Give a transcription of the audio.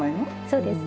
そうです。